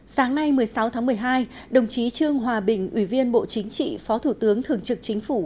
sáng nay một mươi sáu tháng một mươi hai đồng chí trương hòa bình ủy viên bộ chính trị phó thủ tướng thường trực chính phủ